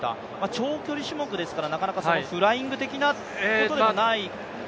長距離種目ですから、なかなかフライング的なことではないですか？